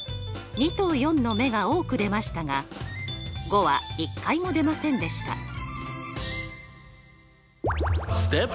２と４の目が多く出ましたが５は一回も出ませんでした。